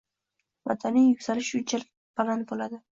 madaniy yuksalish shunchalik baland bo‘ladi.